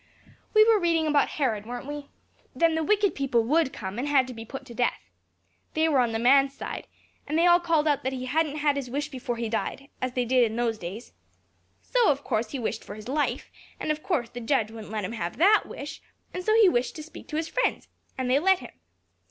"We were reading about Herod, weren't we? Then the wicked people would come, and had to be put to death. They were on the man's side; and they all called out that he hadn't had his wish before he died, as they did in those days. So of course he wished for his life, and of course the judge wouldn't let him have that wish; and so he wished to speak to his friends, and they let him.